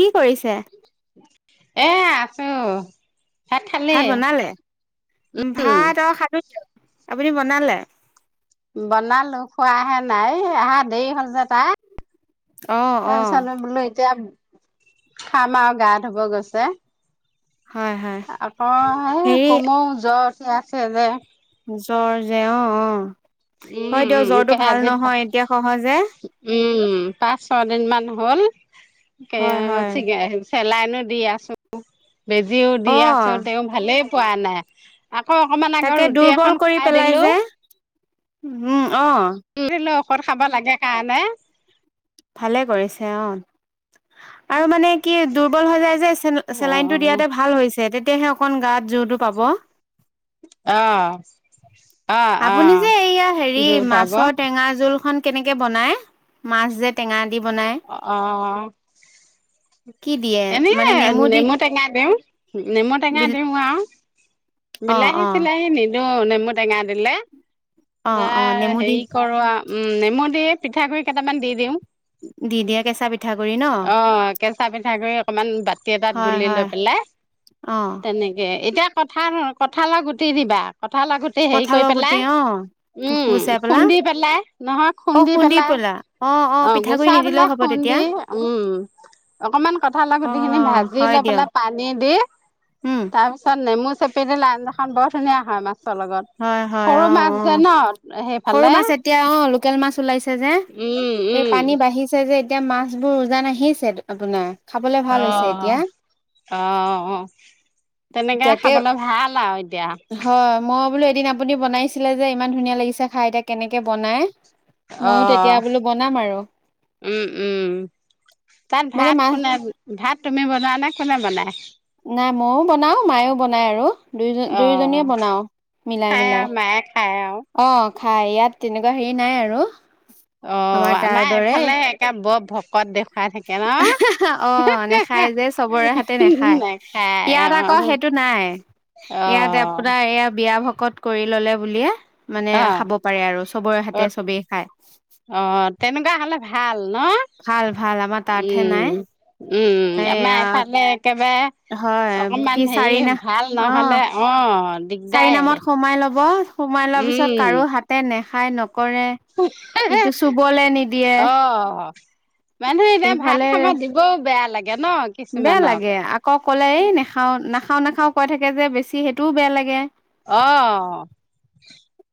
কি কৰিছে এ আছো ভাত বনালে, উম ভাত আৰু সাধুজ্য [unintelligible] আপুনি বনালে বনালো খোৱাহে নাই অহা দেৰি হল যে তাৰ অ অ তাৰপিছত বোলো এতিয়া খাম আও গা ধুব গৈছে হয় হয় আকৌ এই হেৰি কমো জ্বৰ উঠি আছে যে। জ্বৰ যে অ অ হয় দিয়ক উম, জ্বৰটো ভাল [unintelligible] নহয় এতিয়া সহজে উম, পাঁচ-ছয় দিন মান হ'ল হয় হয় ছিগাই আহি চেলাইনো দি আছো, বেজিও দি অ আছো, তেওঁ ভালেই পোৱা নাই। আকৌ অকমান আগত তাকে ৰুটি দুৰ্বল এখন কৰি খুৱাই পেলাই দিলো। যে উম, আহ। দিলো ঔষধ খাব লাগে কাৰণে। ভালে কৰিছে, অ' আৰু মানে কি দুৰ্বল হৈ যায় যে। চেলাইনটো দিয়াতে ভাল হৈছে, তেতিয়াহে অকন গাত জোৰটো পাব। আহ। আপুনি যে এইয়া হেৰি মাছৰ টেঙা জোল খন কেনেক কে বনাই মাছ যে টেঙা। দি বনাই অ'। কি দিয়ে এনে মানে দি নেমু টেঙা দিওঁ, নেমু টেঙা বিল দিও আও। অ অ বিলাহী-চিলাহী নিদো, নেমু টেঙা দিলে। অ অ [unintelligible] নেমু দি হেৰি কৰো আও, উম নেমু দি পিঠাগুড়ি কেইটামান দি দিওঁ। দি দিয়ে কেচা পিঠা অ' কেচা পিঠাগুড়ি অকমান বাতি এটাত হয় গুলি লৈ হয় পেলাই। অ তেনেকে, এতিয়া কঁঠাল-কঁঠালৰ গুটি দিবা। কঁঠাল গুটি হেৰি কৈ কঁঠালৰ পেলাই। গুটি অ উম গুচাই পেলা খুন্দি পেলাই, নহয়। অ খুন্দি পেলাই। পেলা অ পিঠাগুৰি গোচাই নিদিলেও পেলাই হ'ব তেতিয়া খুন্দি। উম অকমান কঁঠালৰ অ গুটি খিনি ভাজি হয় লৈ দিয়ক পেলাই পানী দি উম তাৰ পিছত নেমু। চেপি দিলে আঞ্জাখন বৰ ধুনীয়া হয় মাছ। মাছৰ লগত। হয় হয়, সৰু অ' যে অ' ন সৰু সেইফালে মাছ এতিয়া, অ' লোকেল মাছ ওলাইছে যে। উম এই উম। পানী বাঢ়িছে যে এতিয়া মাছবোৰ উজান আহিছে আপোনাৰ? খাবলে ভাল হৈছে এতিয়া অহ অহ অহ। তেনেকে তাকে খাবলে ভাল আও এতিয়া। হয় মই বোলো এদিন আপুনি বনাইছিলে যে ইমান ধুনীয়া লাগিছে খাই এতিয়া কেনেকে বনাই? অ ময়ো তেতিয়া বোলো বনাম আৰু। উম উম। তাত মানে ভাত মাছ কোনে ভাত তুমি বনোৱা নে কোনে বনাই? নাই ময়ো বনাওঁ মাইয়ো বনায় আৰু। দুই অ দুয়োজনীয়ে বনাওঁ। মিলাই। খাই মিলাই। আৰু মায়ে খাই আৰু। অঁহ ঠাই ইয়াত তেনেকুৱা হেৰি নাই আৰু। অ তাৰ আমাৰ দৰে এইফালে একে বৰ ভকত দেখুৱাই থাকে ন? খাই যে চবৰে হাতে নেখায়। নাখায় ইয়াত অ আকৌ সেইটো নাই। অ ইয়াত আপোনাৰ ইয়াত বিয়া ভকত কৰি ল'লে বুলিয়ে মানে অ খাব পাৰে আৰু চবৰে অ হাতে চবেই খায়। অ তেনেকুৱা হ'লে ভাল। ন। ভাল ভাল আমাৰ তাতহে উম নাই উম এয়া আমাৰফালে হয় একেবাৰে অকমান কি হেৰি চাৰি না ভাল অ নহ'লে। অ'হ চাৰি নামত সোমাই ল'ব সোমাই লোৱাৰ পিছত কাৰো হাতে নেখাই নক নিদিয়ে অহ। মানুহে এতিয়া ভাত এইফালে খাব দিবও বেয়া লাগ বেয়া লাগে আক ক'লে এই নাখাও নাখাও নাখাও কৈ থাকে যে বেছি সেইটোও বেয়া লাগে। অহ।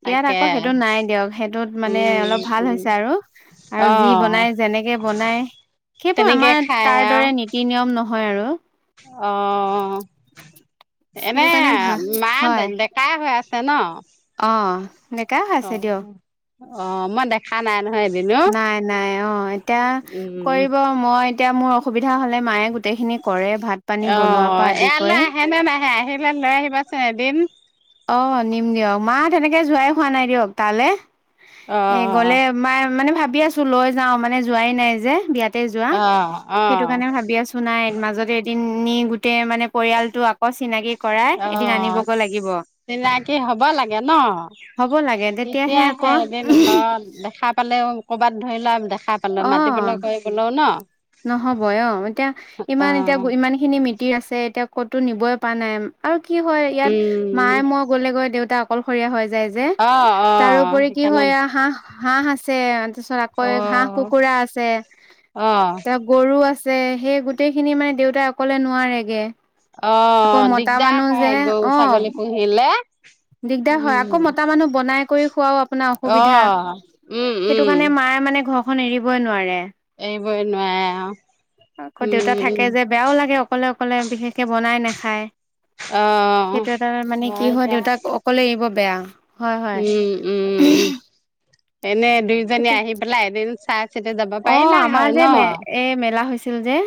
ইয়াত আকৌ সেইটো নাই দিয়ক সেইটোত মানে উম, অলপ ভাল উম, হৈছে আৰু আৰু যি অ', বনাই যেনেকে বনাই সেইবোৰ তেনেকে আমাৰ খাই তাৰ আৰু দৰে নীতি নিয়ম নহয় হয়, আৰু অ', সেইটো এনে কাৰণে ভাল মা হয় ডেকা হৈ আছে। তেনে অ', নেকা আছে দিয়ক। অ', মই দেখা নাই নহয় এদিনো নাই, নাই অ এতিয়া উম, কৰিব মই এতিয়া মোৰ অসুবিধা হলে মায়ে গোটেইখিনি কৰে ভাত পানী বনোৱাৰ অ', পৰা আদি ইয়ালৈ কৰি আহে নে নাহে আহিলে লৈ আহিবাচোন এদিন। অ', নিম দিয়ক মা তেনেকে যোৱাই হোৱা নাই দিয়ক তালৈ অ এ গ'লে মাই মানে ভাবি আছো লৈ যাও মানে যোৱাই নাই যে বিয়াত যোৱা অ অ সেইটো কাৰণে ভাবি আছো নাই মাজতে তিনি গোটেই মানে পৰিয়ালটো আকৌ চিনাকি কৰাই অ এদিন আনিবগৈ লাগিব। চিনাকি হ'ব লাগে ন হ'ব লাগে তেতিয়াহে আকৌ এদিন আকৌ দেখা পালেও কৰ'ৰবাত ধৰিলা দেখা পালো মাতি পেলাই কৈ গলেও ন নহব অ', এতিয়া অ ইমান এতিয়া ইমান খিনি ম আছে এতিয়া ক'তো নিবই পৰা নাই আৰু কি হয় ইয়াত উম মায়ে মই গ'লে গৈ দেউতাক অকলশৰীয়া হৈ যায় যে অ অ তাৰোপৰি কি হয় সেইকাৰণে হাঁহ হাঁহ আছে তাৰ পিছত আকৌ অ ঘাঁহ কুকুৰা আছে অ এতিয়া গৰু আছে সেই গোটেই খিনি মানে দেউতাই অকলে নোৱাৰেগে আকৌ অ', মতা দিগদাৰ মানুহ যে হয় গৰু অ ছাগলী পুহিলে দিগদাৰ হয় আকৌ উম মতা মানুহ বনাই কৰি খুৱও আপোনাৰ অ অসুবিধা উম সেইটো উম কাৰণে মায়ে মানে ঘৰখন এৰিবই নোৱাৰে। এইবনুৱ আকৌ দেউতা থাকে যে বেয়াও লাগে অকলে অকলে বিশেষকে বনাই নেখ অ', সেইটো এটা মানে কি হয় দেউতাক বে হয়, হয়। এনেই দুইজনী আহি পেলাই এদিন চাই চিতি যাব অ', পাৰিলা হয় আমাৰ ন? যে ম এ মেলা হৈছিল যে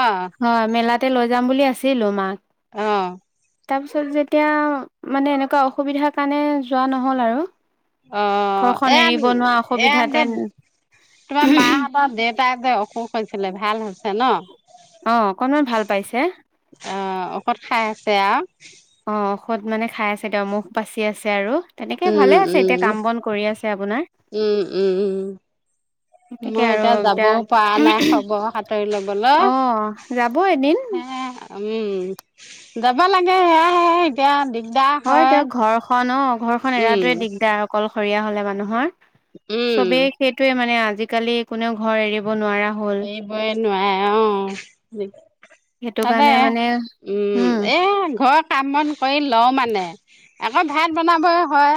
অ', হয় মেলাতে লৈ যাম বুলি আছিলো মাক আহ। তাৰ পিছত যেতিয়া মানে এনেকুৱা অসুবিধাৰ কাৰণে যোৱা নহল আৰু অ', ঘৰখন এন এৰিব নোৱাৰা অসুবিধাতে এন্ত তোমাৰ মাহতৰ দেউতাক যে অসুখ হৈছিলে ভাল হৈছে হে ন, অ অকনমান ভাল পাইছে অ ঔষধ খাই আছে আও। অ', ঔষধ মানে খাই আছে দে মুখ বাাচি আছে আৰু তেনেকে ভালে উম, আছে উম, এতিয়া কাম বন কৰি আছে আপোনাৰ উম, উম, উম। গতিকে মই আৰু যাবও এতিয়া পৰা নাই খবৰ সাঁতৰি ল'বলৈ। আহ যাব এদিন [inaudible] হে উম, যাব লাগে সেয়াই সেয়াই এতিয়া হয় তেওঁক ঘৰখন অ', ঘৰখনন উম, এৰাটোৱে দিগদাৰ অকলশৰীয়া হলে মানুহৰ উম। চবেই সেইটয়ে মানে আজিকালি কোনেও ঘৰ এৰিব নোৱাৰা হ'ল এই নোৱাৰে আহ সেইটো তাতে কাৰণে মানে উম এ ঘৰ কাম বন কৰি লও মানে আকৌ ভাত বনাবৈ হয়।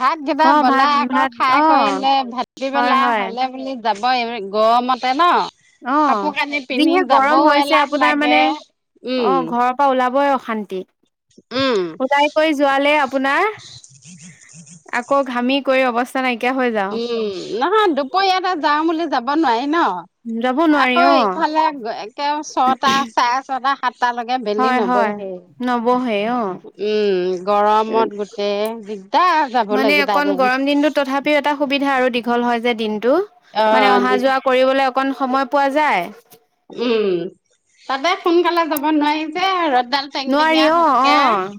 ভাত কেইটা অ ভাত বনাই আকৌ ভাত খাই অ কৰিলে [unintelligible] হয় পেলা হয় হলে বুলি যাব এই গৰমতে ন অ', কাপোৰ কানি পিন্ধি যিহে গৰম যাবও হৈছে এলাহ আপোনাৰ লাগে মানে অ উম ঘৰৰ পৰা ওলাবই অ', শান্তি উম সদাই কৰি যোৱালে আপোনাৰ আকৌ ঘামি কৰি অৱস্থা নাইকিয়া হৈ যাওঁ। উম নহয় দুপৰীয়াতে যাওঁ বুলি যাব নোৱাৰি। ন যাব নোৱাৰি আকৌ অ এইফালে একে ছটা চাৰে ছটা সাতটালৈকে বেলি হয় হয় নবহে। নবহে অ উম গৰমত গোটেই দিগদাৰ যাবলে মানে এইকেইটা অকন দিন। গৰম দিনটোত তথাপিও এটা সুবিধা আৰু দি দীঘল হয় যে অ দিনতটো মানে অহা দি যোৱা কৰিবলৈ অকন সময় পোৱা যায়। উম তাতে সোনকালে যাব নোৱাৰি। যে ৰ'দডাল নোৱাৰি টেংটেঙীয়া অ হৈ থাকে অহ।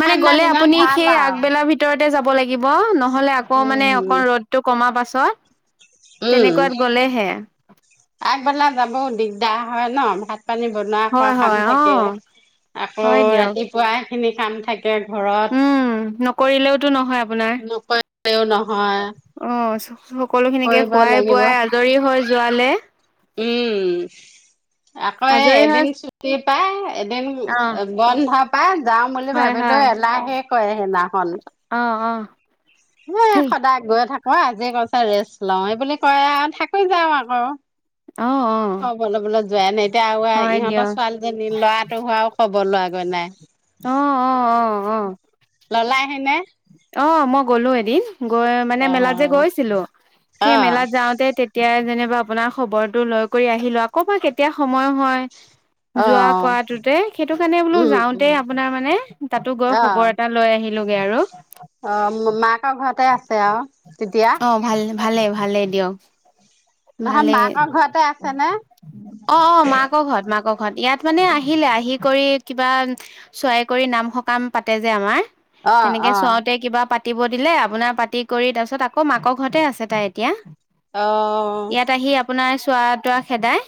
মানে ঠাণ্ডা গ'লে দিনত আপুনি ভাল সেই আও আগবেলা ভিতৰত তে যাব লাগিব নহ'লে আকৌ মানে উম অক ৰ'দটো কমাৰ পাছত উম তেনেকুৱাত গ'লেহে আগবেলা যাবও দিগদাৰ হয় ন ভাত পানী বনোৱা খোৱা হয় কাম হয় অ থাকে আকৌ হয় দিয়ক ৰাতিপুৱা স খিনি কাম থাকে ঘৰত উম নকৰিলেওতো নহয় আপোনাৰ নকৰিলেও নহয় অ সকলো খিনিকে কৰিব খোৱাই লাগিব বোৱাই আজৰি হৈ যোৱালে উম আকৌ এই আজৰি হৈ এদিন চুটি পায় এদিন অ বন্ধ ভ পাই যাওঁ বুলি হয় ভাবিলোও হয় এলাহাহে ক সেইদিনাখন অ অ সেই সদায় গৈ থাকো আজি কৈছে ৰেষ্ট লওঁ এই বুলি কয় আৰু থাকো যাও আকৌ অ অ খবলৈ বলে যোৱা ন এতিয়া আৰু হয় ইহঁতৰ দিয়ক ছোৱালীজনী ল'ৰাটো হোৱাও খব লোৱাগৈ নাই অহ অ অহ অহ ললাহিনে? অ মই গলো এদিন গৈ মানে অ মেলাত যে গৈছিলো অ সেই মেলাত যাওঁতে এতিয়া যেনিবা আপোনাৰ খবৰটো লৈ কৰি আহিলো আকৌ বা কেতিয়া সময় হয় অ যোৱা কৰাটোতে সেইটো কাৰণে বোলো উম যাওঁতে উম আপোনাৰ মানে তাতো গৈ অ খবৰ এটা লৈ আহি লগে আৰু। অ মাকৰ ঘৰতে আছে আও তেতিয়া? অ ভাল ভালে [inaudible] নহয় ভালে মাকৰ ঘৰতে আছ অ অ মাক ঘৰত মাক ঘৰত ইয়াত মানে আহিলে আহি কৰি কিবা চোৱাই কৰি নাম সকাম পাতে যে আমাৰ অ তেনেকে অ চোৱাওঁতে কিবা পা পাতিব দিলে আপোনাৰ পাতি কৰি তাৰপিছত আকৌ মাকৰ ঘৰতে আছে তাই এতিয়া। অ ইয়াত আহি আপোনাৰ চোৱা তোৱা খেদাই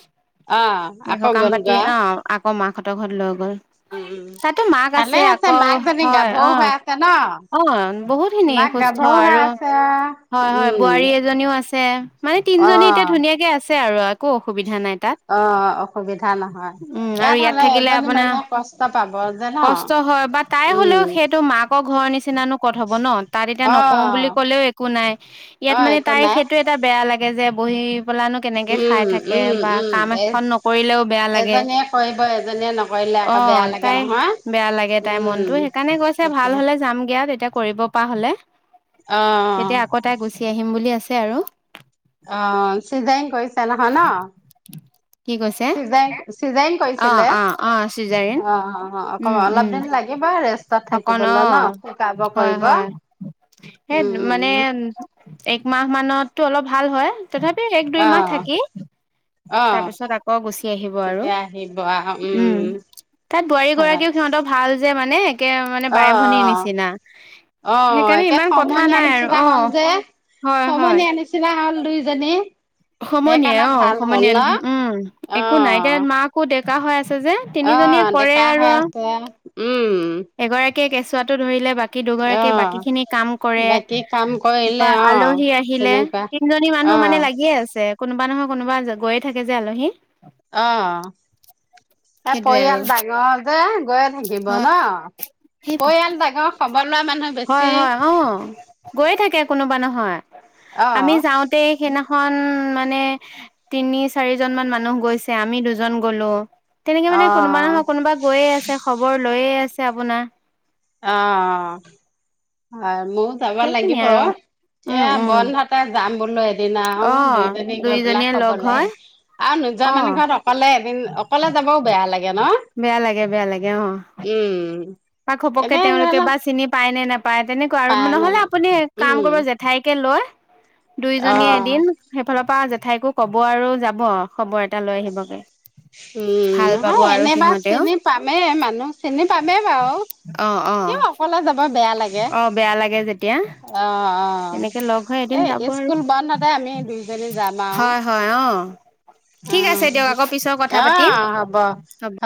অ', এ আকৌ সকাম গ'ল পাতি গা অঁ আকৌ মাকহঁতৰ ঘৰত লৈ গ'ল। উম, উম, তাতো মাক ভালে আছে আকৌ মাকজনী হয় গাভৰু অ হৈ আছে ন? অ বহুতখিনি মাক সুস্থ গাভৰু হৈ আৰু আছে হয় হয় উম, বোৱাৰী এজনীও আছে মানে তিনিজনী এতিয়া অ', ধুনীয়াকে আছ আৰু আকৌ অ অসুবিধা নহয়, উম আৰু ইয়াত হলে থাকিলে এজনী আপোনাৰ মানুহে কষ্ট পাব যে ন? কষ্ট হয় বা তাই উম, হলেও সেইটো মাকৰ ঘৰ নিচিনানো কত হব ন তাত এতিয়া নকও বুলি অ', ক'লে লেওঁ একো নাই ইয়াত অ', মানে একো তাই নাই সেইটো এটা বেয়া লাগে যে বহি পেলানো কেনেকে উম, খায় থাকে উম, বা উম, কাম এ এখন নকৰিলেও বেয়া লাগে, এজনীয়ে কৰিব এজনীয়ে নকৰিলে অ আকৌ বেয়া লাগে তাই নহয় বেয়া লাগে তাই মনটো, উম। সেইকাৰণে কৈছে ভাল তাকে হলে যামগে আও তেতিয়া কৰিব পৰা হলে। অহ সি আহিম বুলি আছে আৰু। অ চিজাৰীং কৰিছে নহয় ন? কি কৈছে চিজাইং চিজাইং ইং অ কৰিছিলে? অ অ চিজাৰিন অ অ উম উম অলপ দিন লাগিব ৰেষ্ট তত অকণ অ থাকিবলৈ ন, শুকাব হয় কৰিব। হয় সেই উম উম মানে উম একমাহ মানতটো অলপ ভাল হয়। তথাপি এক অ দুইমাহ থাকি, অ তাৰপিছত আকৌ গুচি আহিব আৰু। তেতিয়া আহিব আহ উম', তাত বোৱাৰী হয় গৰাকীও সিহতৰ ভাল যে মানে। তাকে মানে অ বাই ভনীৰ নিচিনা, অ অ সেইকাৰণে ইমান কথা নাই আৰু অ'। হয় হয় সমনিয়া নিছিনা হল দুইজনী। সমনিয়াই সেইকাৰণে অ', ভাল সমনীয়া হ'ল ন নিছিনা অ উম'একো নাই এতিয়া মাকো ডেকা হয় আছে। যে অ তিনিজনীয়ে কৰে ডেকা আৰু, হৈ আছে উম এগৰাকীয়ে কেঁচুৱটো ধৰিলে বাকী অ দুগৰাকী বাকী খিনি কম কৰে, বাকী কাম বা কৰিলে অ আলহি আহিলে তেনেকুৱা তিনজনী মানুহ অ মানে লাগিয়ে আছে কোনোবা নহয় কোনোবা গৈয় থাকে যে আলহী। অ', তাই সেইটোৱে আৰু পৰিয়াল ডাঙৰ যে গৈ থাকিব হয় ন'। সেই বা পৰিয়াল ডাঙৰ খবৰ লোৱা মানুহ হয়', বেছি হয়', অ' গৈ থাকে। কোনোবা নহয়, অ আম যাওঁতে সেইদিনাখন মানে তিনি চাৰিজন মান মানুহ গৈছে আমি দুজন গলো। তেনেকে অ মানে কোনোবা নহয় কোনোবা গৈয়ে আছে। খবৰ লৈয়ে আছে আপোনাৰ। অ', হয়', মই যাব সেইখিনি লাগিব। আৰু উম এয়া উম বন্ধতে যাম বোলো এদিনা আও অ দুইজনী গৈ পেলে দুইজনীয়ে লগ খবৰ লৈ হয় আহিম। আৰু নোযোৱা অ মানুহ ঘৰত অকলে এদিন অকলে যাবও বেয়া লাগে ন'। বেয়া লাগে বেয়া লাগে অ'। উম বা ঘপককে এনে ধৰি তেওঁলোকে লওক বা চিনি পায় নে নোপায়, তেনেকুৱা আৰু পাই ন নহলে আপুনি কাম উম কৰিব জেঠাইকে লৈ অ দুইজনীয়ে এদিন সেইফালৰ পৰা জেঠাইকো কব আৰু যাব, খবৰ এটা লৈ আহিবগে উম, ভাল পাব নহয় আৰু এনেবা সিহঁতেও চিনি পামেই, মানুহ চিনি পামেই বা অ অ [unintelligible] অকলে যাব বেয়া লাগে, অ বেয়া লাগে যেতিয়া অ'। অ', তেনেকে লগ হৈ এদিন এ, যাব আৰু। ইস্কুল বন্ধতে আমি দুইজনী যাম আৰু। হয় হয় অ ঠিক আছে দিয়ক অ', আকৌ পিছত কথা পাতিম অ', হ'ব, হ'ব